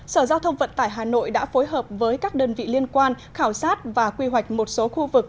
sở giao thông vận tải hà nội đã phối hợp với các đơn vị liên quan khảo sát và quy hoạch một số khu vực